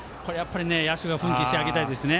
野手が奮起してあげたいですね。